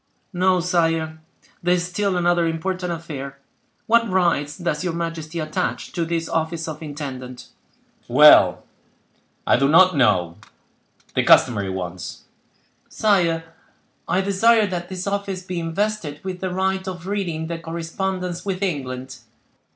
"No, sire; there is still another important affair. What rights does your majesty attach to this office of intendant?" "Well—I do not know—the customary ones." "Sire, I desire that this office be invested with the right of reading the correspondence with England."